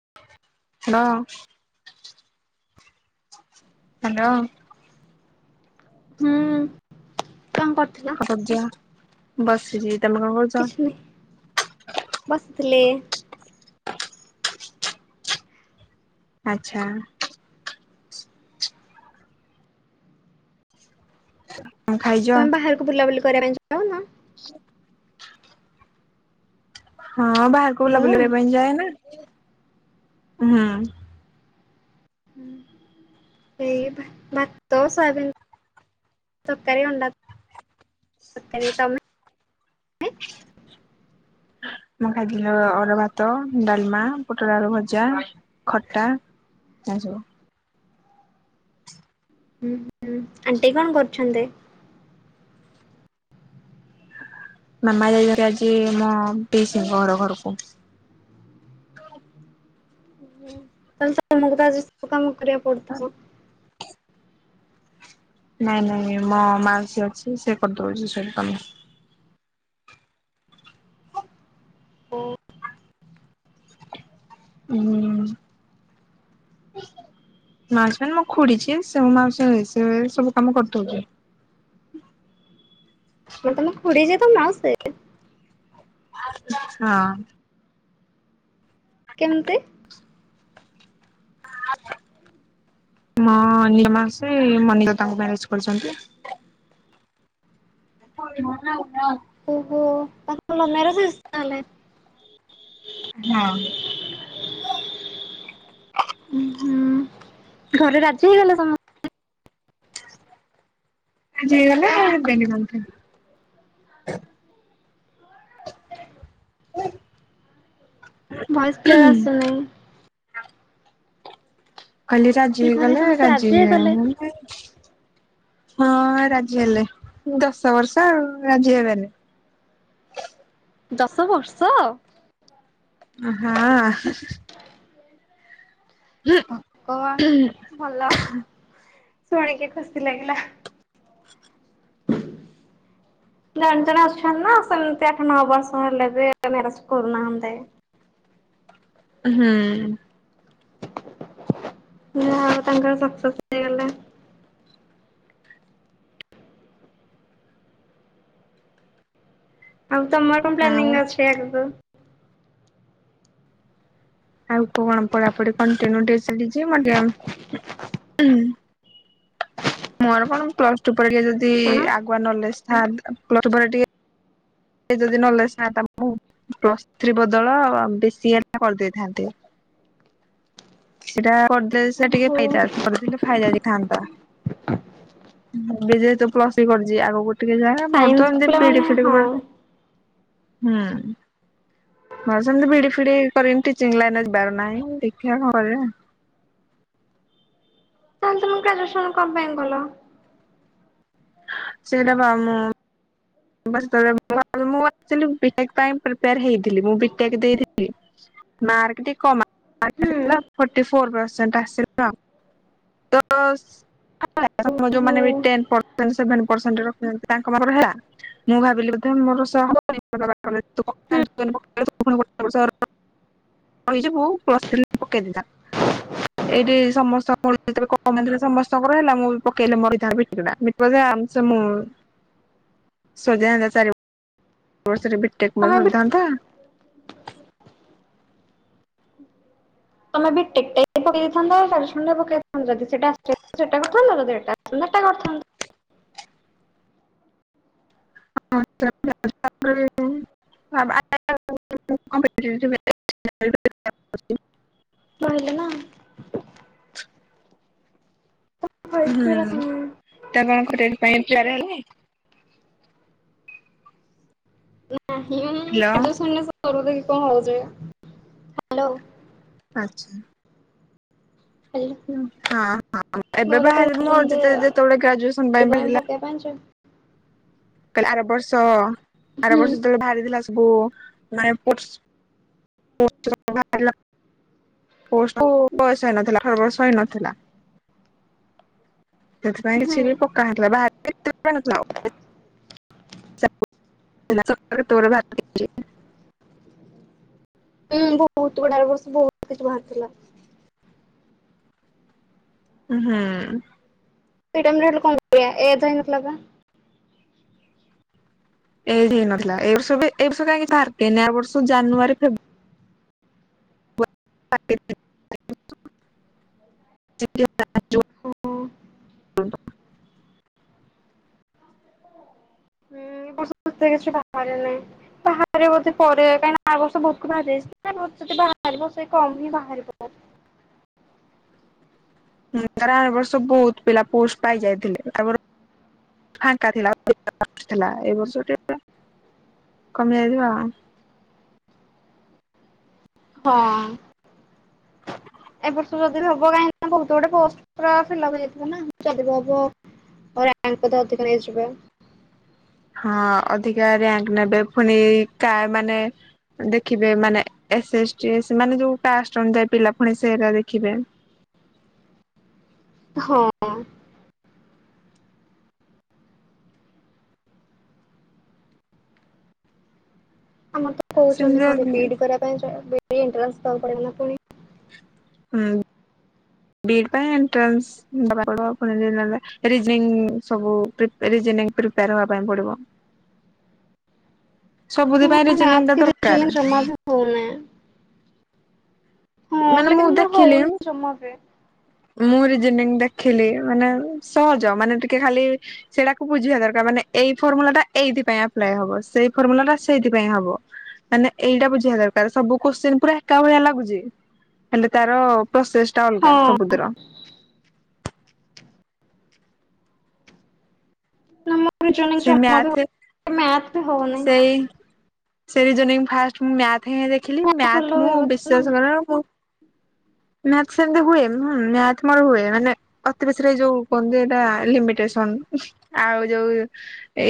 [unintelligible] Hello. ହୁଁ, କଣ କରୁଥିଲ? କଣ ବସିଛି, ତମେ କଣ କରୁଥିଲ? କିଛି ନାହିଁ ବସିଥିଲି। ଆଚ୍ଛା। କଣ ଖାଇଛ? ତମେ ବାହାରକୁ ବୁଲାବୁଲି କରିବା ପାଇଁ ଯାଉନ। ହ [inaudible] ହଁ, ବାହାରକୁ ବୁଲାବୁଲି ମୁଁ କରିବା ପାଇଁ ଯାଏ ନା ହୁଁ। ହଁ ସେଇ ମତ ସାବ [unintelligible] ତରକାରି ଅଣ୍ଡା ତରକାରି। ତମେ ମୁଁ ଖାଇଥିଲି ଅରୁଆଭାତ, ଡାଲମା, ପୋଟଳଆଳୁ ଭଜା, ଖଟା। ଆୁ [unintelligible] ହୁଁ ହୁଁ, ଆଣ୍ଟି କଣ କରୁଛନ୍ତି? ମାମା ଯାଇଛନ୍ତି ଆଜି ମୋ ପିଇସିଙ୍କ ଘର ଘରକୁ। ତାହଲେ ତମକୁ ଆଜି ସବୁ କାମ କରିବାକୁ ପଡୁଥିବ। ନାଇଁ ନାଇଁ ମୋ ମାଉସୀ ଅଛି ସେ କରିଦଉଛି ସବୁ କାମ। ଓ ହୁଁ ମାଉସୀ ମାନେ ମୋ ଖୁଡି ଯିଏ ସିଏ ମୋ ମାଉସୀ ହେବେ ସେ ସବୁ କାମ କରିଦଉଛନ୍ତି। ମାନେ ତମ ଖୁଡି ଯିଏ ତମ ମାଉସୀ ସିଏ। ହଁ। କେମିତି? ହଁ, ମୋ ନିଜ ମାଉସୀ ମୋ ନିଜ ଦାଦାଙ୍କୁ ମ୍ୟାରେଜ କରିଛନ୍ତି। [inaudible] ଓହୋ, ତାଙ୍କର ଲଭ୍ ମ୍ୟାରେଜ୍ ହେଇଛି ତାହା ହେଲେ। ହଁ। ହୁଁ, ଘରେ ରାଜି ହେଇଗଲେ ସମସ୍ତେ। ରାଜି ହେଇଗଲେ। ହେ [unintelligible] ଭଲସେ ଆସୁ ନାଇଁ। କାଲି ରାଜି ହେଇଗଲେ ରାଜି ହେଇଗଲେ ହଁ ରାଜି ହେଲେ ଦଶ ବର୍ଷ ଆଉ ରାଜି ହେବେନି। ଦଶ ବର୍ଷ। ହଁ। ହୁଁ। ଓ ଆ ଭଲ ଶୁଣିକି ଖୁସି ଲାଗିଲା। [unintelligible] [unintelligible] ବର୍ଷ ହେଲା ବି [unintelligible] କରୁନାହାନ୍ତି। ହୁଁ। ନା ଆଉ ତାଙ୍କର [unintelligible] ହେଇଗଲା। ଆଉ ତମର କଣ ଆଉ ପ୍ଲାନିଂ ଅଛି ଆଗକୁ? ଆଉ କଣ ପଢାପଢି କଣ୍ଟିନ୍ୟୁଟି ଚାଲିଛି। ମୋର କଣ ପ୍ଲସ ଟୁ ପରେ ଟିକେ ଯଦି କଣ? ଆଗୁଆ ନଲେଜ ଥାଆନ୍ତା ପ୍ଲସ୍ ଟୁ ପରେ ଟିକେ ସେତେ ଯଦି ନଲେଜ୍ ଥାଆନ୍ତା ମୁଁ ପ୍ଲସ ଥ୍ରି ବଦଳ ପି ସି ଆ ର ହେଲା କରିଦେଇଥାନ୍ତି। [unintelligible] ସେଇଟା କରିଦେ ସେ ଟିକେ ଓହୋ ଫାଇଦା, କରିଦେଲେ ଫାଇଦା ହେଇଥାନ୍ତା। ଏବେ ଯେହେତୁ ପ୍ଲସ ଥ୍ରି କରୁଛି ଆଗକୁ ଟିକେ ଯାହା ମୋର ତ ସାଇନ୍ସ ଏମତି ବିଡି ପିଲାମାନେ ଫିଡି ହଁ ହୁଁ। ହଁ ସେମିତି ବିଡି ଫିଡି କରି ଟିଚିଂ ଲାଇନରେ ଯିବାର ନାହିଁ ଦେଖିବା କଣ କରିବା। ତାହେଲେ ତମେ ଗ୍ରାଜୁଏସନ କଣ ପାଇଁ କଲ। ସେଇଟା ବା ମୁଁ ମୁଁ ଆକଚୁଆଲି ବିଟେକ୍ ପାଇଁ ପ୍ରିପେଆର ହେଇଥିଲି ମୁଁ ବିଟେକ ଦେଇଥିଲି। ମାର୍କ ଟିକେ କମ୍ ହୁଁ ଆସିଥିଲା। ଫୋର୍ଟି ଫୋର୍ ପର୍ସେଣ୍ଟ ଆସିଥିଲା। ଦଶ ଓହୋ ଯୋଉମାନେ ବି ଟେନ ପଢୁଛନ୍ତି ସେଭେନ୍ ପରସେଣ୍ଟ ରଖୁଛନ୍ତି। ତାଙ୍କ ପାଇଁ ହେଲା ମୁଁ ଭାବିଲି ବୋଧେ ମୋର ସ ହବ [inaudible] [unintelligible] ହୁଁ ଏଇଠି ସମସ୍ତ ମ [inaudible] ସମସ୍ତଙ୍କର ହେଲା ମୁଁ ବି ପକେଇଲେ ମୋର ଏଇ ବୋଧେ [inaudible] ସରିଥାନ୍ତା, ଚାରି ବର୍ଷରେ ବିଟେକ୍ ମୋର ତମେ ବି ସରିଥାନ୍ତା। ତମେ ବିଟେକ୍ ଟା ବି ପକେଇ ଦେଇଥାନ୍ତ। ଗ୍ରାଜୁଏସନ୍ ଟା ପକେଇଥାନ୍ତ ଯଦି ସେଟା ଆସିଥାନ୍ତା ସେଟା କରିଥାନ୍ତ। ଯଦି ଏଇଟା ଆସିଥାନ୍ତା ଏଇଟା କରିଥାନ୍ତ। [unintelligible] ରହିଲେ ନା। ଭଏସ କ୍ଲିୟର ହୁଁ। [inaudible] ଆସୁନି ହ୍ୟାଲୋ [inaudible] ହାଲୋ। ଆଛା। ହ୍ୟାଲୋ ହଁ, ହଁ ଏବେ ଘରେ ବାହାରିଲି ମୋ କହୁଛନ୍ତି ଯେତେବେଳେ ଗ୍ରାଜୁଏସନ ପାଇଁ ବାହାରିଲା ପାଞ୍ଚ। କହିଲେ ଆର ବର୍ଷ ଆର ହୁଁ ବର୍ଷ ଯେତେବେଳେ ବାହାରିଥିଲା ସବୁ ମାନେ [unintelligible] [unintelligible] [unintelligible] କୁ ବୟସ ହେଇନଥିଲା [unintelligible] ବର୍ଷ ହେଇନଥିଲା। ସେଥିପାଇଁ ହୁଁ କିଛି ବି ପକା ହେଥିଲା ବା [unintelligible] [unintelligible] ହୁଁ ବହୁତ ଗୁଡ ବର୍ଷ ବହୁତ କିଛି ବାହାରିଥିଲା ହୁଁ ସେ ଟାଇମ ରେ ହେଲେ କଣ କରିବା ଏଜ ହେଇନଥିଲା ବା ଏଜ ହେଇ ନଥିଲା ଏ ବର୍ଷ ଏ ବର୍ଷ କାହିଁକି ବାହାର କେ ବର୍ଷ ଜାନୁଆରୀ ଫେବୃଆରୀ [unintelligible] ହଁ [unintelligible] ହୁଁ ଏ ବର୍ଷୁଛ ପାହାାରେରେ ନାଇ ପାହାାରେରେ ବୋଧେ ପରେେ କାଇଁକ ଆ ବର୍ଷ ବହୁତ କ ବାହାରଛି [unintelligible] ଭତେ ବାହାରିବ ସେଇ କମ ହିଁ ବାହାରିବ ହୁଁ ଧାର ଏ ବର୍ଷ ବହୁତ ପିଲା ପୋଷ୍ଟ ପାଇ ଯାଇଥିଲେ ତା ଫାଙ୍କା ଥିଲାଥିଲା ଏ ବର୍ଷ ଟିକେ କମି ଯାଇଥିବ ଆଉ ହଁ ଏ ବର୍ଷ ଯଦି ବି ହବ କାହିଁକି କହୁ ଗୋଟେ ଗୋଟେ ପୋଷ୍ଟ ର ଫିଲ ଉପ ହେଇଯାଇ ଥିବ ନା ହବ ପରେ ଆଙ୍କୁ ତ ଅଧିକ ନେଇଯିବ ହଁ ଅଧିକା ରାଙ୍କ ନେବେ ପୁଣି କା ମାନେ ଦେଖିବେ ମାନେ ଏସ୍ ଏସ୍ଟି ମାନେ ଯୋଉ କାଷ୍ଟ ଅନୁଯାୟୀ ପିଲା ପୁଣି ସୋ ଦେଖିବେ ହଁ ଆମର ତ କହୁଛନ୍ତି ସେମିତି ଘରେ ବିଇଡି କରିବା ପାଇଁ ଏଣ୍ଟାନ୍ସ ଦବାକୁ ପଡିବ ନା ପୁଣି ହୁଁ ବି ଇ ଡ଼ ପାଇଁ ଏଣ୍ଟ୍ରନ୍ସ ବା ପ ପୁଣିଲେଜନି ସବୁ ରିଜିନିଂ ସବୁ ପ୍ରେପେୟର ହବା ପାଇଁ ପଡିବ ସବୁଥି ପାଇଁ ରୀଜିନିଂ ଟା ଦରକାର ହଉନି ହଁ ମାନେ ହେଲେ ମୁଁ କିନ୍ତୁ ମୋର ଦେଖିଲି ହଉନି ଜମା ବି ମୁଁ ରିଯିନୀଙ୍ଗ ଦେଖିଲି ମାନେ ସହଜ ମାନେ ଟିକେ ଖାଲି ସେଇଟାକୁ ବୁଝିବା ଦରକାର ମାନେ ଏଇ ଫର୍ମୁଲା ଟା ଏଇଥିପାଇଁ ଆପ୍ଲାଏ ହବ ସେଇ ଫର୍ମୁଲାଟା ସେଇଥିପାଇଁ ହବ ମାନେ ଏଇଟା ବୁଝିବା ଦରକାର ସବୁ କୋଶ୍ଚିିନ ପୁରା ଏକା ଭଳିଆ ଲାଗୁଛି ହେଲେ ତାର ପ୍ରୋସେସ ଟା ଅଲଗା ସବୁଦ୍ର ସେ [unintelligible] ମ୍ୟାଥ ହଉନହିଁ ସେ ସେ ରେଗିଅନିଂ ଫାର୍ଷ୍ଟ ମୁଁ ମ୍ୟାଥ ହିଁ ଦେଖିଲି ଭଲ ମ୍ୟାଥ ମୁ ବିଶ୍ବାସ କର ମୁଁ ମ୍ୟାଥ ସେମିତି ହୁଏ ମୋର ହୁଏ ମାନେ ଅତି ବେଶୀରେ ଯୋଉ କୁହନ୍ତୁ ଏଇଟା ଲିମିଟେସନ ଆଉ ଯୋଉ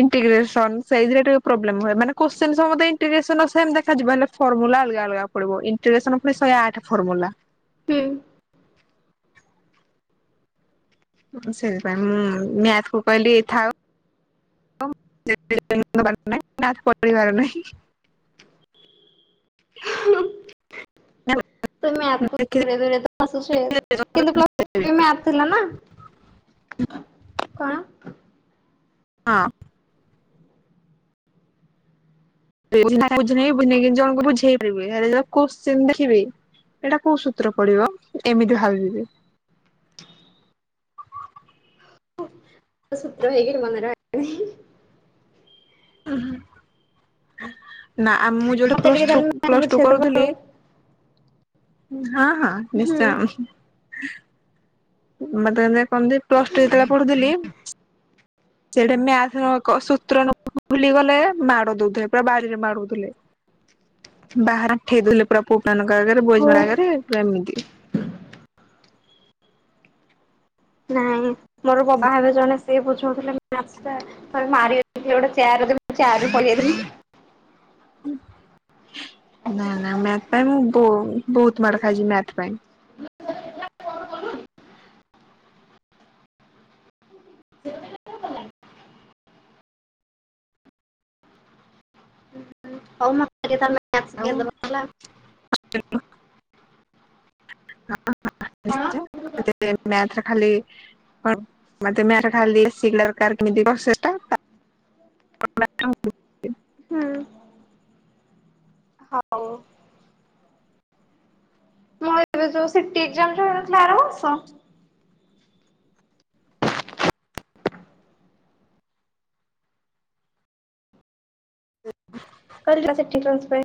ଇଣ୍ଟିଗ୍ରେସନ ସେଇଥିରେ ଟିକେ ପ୍ରୋବ୍ଲେମ ହୁଏ ମାନେ କ୍ୱେଷ୍ଟିନ ସମଷ୍ଟେ ଇନଟିଗ୍ରେସନର ସେମ ଦେଖାଯିବ ହେ ଫର୍ମୁଲା ଅଲଗା ଅଲଗା ପଡିବ ଇଣ୍ଗ୍ରେଗ୍ରେସନ ପୁଣି ଶହେ ଆଠ ଫର୍ମୁଲା। ହୁଁ ସେଇଥିପାଇଁ ମୁଁ ମ୍ୟାଥ କୁ କହିଲି ଟିକେ ଥାଉ [unintelligible] ପିବାର ନାହିଁ ତୁମେ ଆଖୁ ଦୂରେ ଦୂରେ ଆସିଛୁ କିନ୍ତୁ ମ୍ୟଥ [inaudible] ଥିଲା ନା କଣ ହଁ [inaudible] ବୁଝ ବୁଝୁଣ ବୁଝେଇ ପାରିବି କ ଦେଖିବି ଏଇଟା କୋଉ ସୂତ୍ର ପଡିବ ଏମିତି ଭାବିବି ସୂତ୍ର ହେରିକା ମନେ ରୁହେନି ଉ ହୁଁ ନା ମୁଁ ଯୋଉଠି ମତେ ପ୍ଲସ ଟିକେ ଥୁ ତାହେଲେ ମ୍ୟାଥ ପ୍ଲସ ଟୁ ବୁଝେଇ ଦବ କରୁଥିଲି ଆଉ ହଁ ହଁ ହୁଁ ନିଶ୍ଚୟ ମୋତେ ଏମତି କହନ୍ତି ପ୍ଲସ୍ ଟୁ ଯେତେବେଳେ ପଢୁଥିଲି। ସେଠି ମ୍ୟାଥ ମୋ କ- ସୂତ୍ର ନ- ଭୁଲି ଗଲେ ମାଡ ଦଉଥିଲେ ପୁରା ବାଡିରେ ବାଡ଼ଉଥିଲେ। ବାହାରେ ଆଣ୍ଠେଇ ଦେଲେ ପୁରା ପୁଅମାନଙ୍କ ଆଗରେ ବଏଜ୍ ହଉ ମାନ ଆଗରେ ପୁରା ଏମିତି। ନାଇଁ ମୋର କ- ବାହା ହେବେ ଜଣେ ସିଏ ବୁଝଉଥିଲେ [inaudible] ମାରି [inaudible] କିଏ ଗୋଟେ ଚିଆର ଦେବି ମୁଁ ଚିଆରରୁ ପଡ଼ିଯାଇଥିଲି। ନା ନା ମ୍ୟାଥ୍ ପାଇଁ ମୁଁ ବଉ ବହୁତ ମାଡ ଖାଇଛି ମ୍ୟାଥ୍ ପାଇଁ। [inaudible] ହଉ ମୁଁ [inaudible] ଆଉ କିଏ ଦବ? ହେଲା [inaudible] କଣ [inaudible] ମ୍ୟାଥ୍ ରେ ଖାଲି ହଁ ମୋତେ ମ୍ୟାଥ୍ ଖାଲି [unintelligible] ସେଟା [inaudible] ହଁ। ହଉ। ମୁଁ ଏବେ ଯୋଉ ସିଟି ଏକ୍ଜାମ୍ ଯୋଉ ହେଇଥିଲା ଆର ବର୍ଷ। କରିଲା ସେଠି [unintelligible]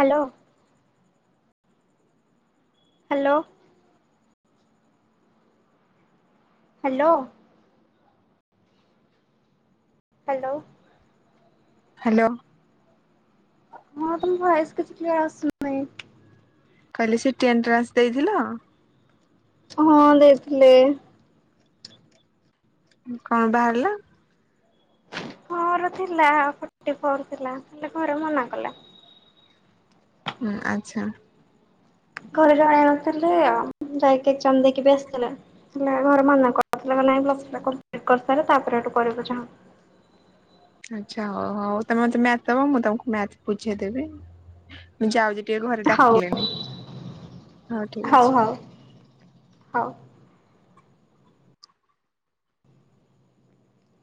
hello. Hello. Hello. Hello. Hello. ହଁ ତୋମ ଭଏସ୍ କିଛି କ୍ଲିୟର୍ ଆସୁନାହିଁ। କହିଲି ସିଟି ଏଣ୍ଟ୍ରାନ୍ସ ଦେଇଥିଲ? ହଁ ଦେଇଥିଲି। କଣ ବାହାରିଲା? ମୋର ଥିଲା ଫଟି ଫୋର୍ ଥିଲା ହେଲେ ଘରେ ମନା କଲେ। ହୁଁ, ଆଚ୍ଛା। ଘରେ ଜଣେଇ ନଥିଲି ଆଉ ଯାଇକି ଏକ୍ଜାମ୍ ଦେଇକି ବି ଆସିଥିଲେ। ଥିଲେ ଘରେ ମନା କରିଥିଲେ କହିଲେ ଆଗ ପ୍ଲସ୍ ଥ୍ରୀ ଟା କମ୍ପ୍ଲିଟ୍ କରିସାରେ ତା ପରେ ଯାଇ କରିବୁ ଯାହା। ଆଚ୍ଛା, ହଉ ହଉ ତୋମେ ମୋତେ ମ୍ୟାଥ୍ ଦବ ମୁଁ ତୋମକୁ ମ୍ୟାଥ୍ ବୁଝେଇଦେବି। ମୁଁ ଯାଉଚି ଟିକେ ଘରେ ହଉ ଡାକିଲେଣି। ହଉ ଠିକ ଅଛି। ହଁ।